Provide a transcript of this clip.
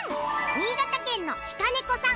新潟県のちかねこさん